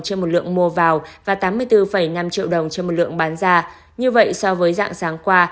trên một lượng mua vào và tám mươi bốn năm triệu đồng trên một lượng bán ra như vậy so với dạng sáng qua